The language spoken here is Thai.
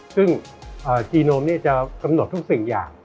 ซึ่งจีโนมจะกำหนดทุกสิ่งอย่าง